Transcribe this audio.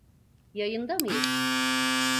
Yayında mıyız?